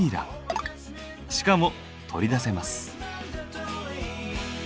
しかも取り出せます。